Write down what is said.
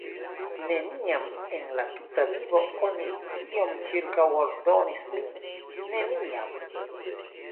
"Neniam en la tuta vivo oni tiom ĉirkaŭordonis min, neniam!"